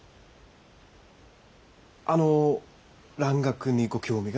あの蘭学にご興味が？